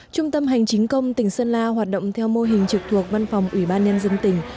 trung tâm hành chính công tỉnh sơn la hoạt động theo mô hình trực thuộc văn phòng ủy ban nhân dân tỉnh